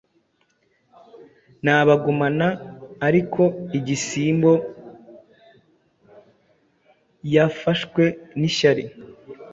nabagumanaarikoigisimboyafashwe nishyari